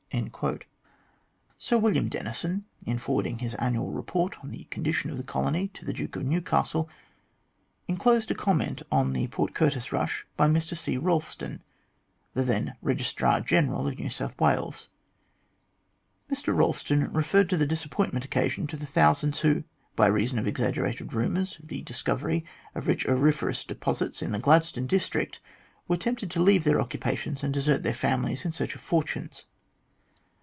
Sir William Denison, in forwarding his annual report on the condition of the colony to the Duke of Newcastle, enclosed a comment on the Port Curtis rush by Mr C. Eolleston, the then Kegistrar General of New South Wales. Mr Kolleston referred to the disappointment occasioned to the thousands who, by reason of exaggerated rumours of the discovery of rich auriferous deposits in the Glad stone district, were tempted to leave their occupations and desert their families in search of fortunes.